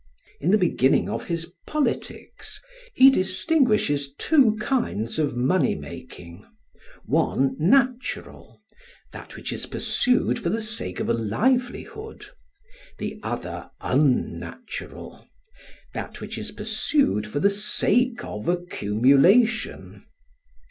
In the beginning of his "Politics" he distinguishes two kinds of money making, one natural, that which is pursued for the sake of a livelihood, the other unnatural, that which is pursued for the sake of accumulation.